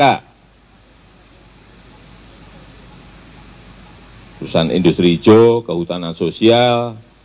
urusan industri hijau kehutanan sosial